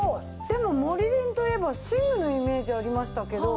でもモリリンといえば寝具のイメージありましたけど。